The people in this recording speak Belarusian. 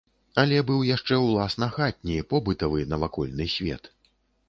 Але быў яшчэ ўласна хатні, побытавы, навакольны свет.